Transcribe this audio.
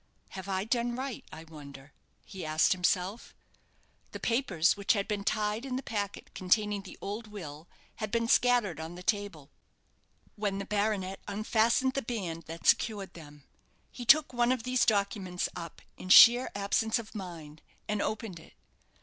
"Have I done right, I wonder?" he asked himself. The papers which had been tied in the packet containing the old will had been scattered on the table when the baronet unfastened the band that secured them. He took one of these documents up in sheer absence of mind, and opened it.